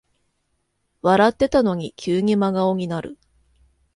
笑ってたのに急に真顔になる